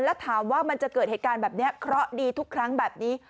แล้วถามว่ามันจะเกิดเหตุการณ์แบบนี้เคราะห์ดีทุกครั้งแบบนี้